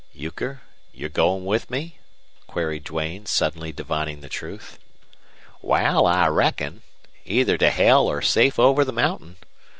"Euchre, you're going with me?" queried Duane, suddenly divining the truth. "Wal, I reckon. Either to hell or safe over the mountain!